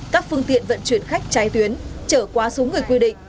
các phương tiện vận chuyển khách trái tuyến chở quá súng người quy định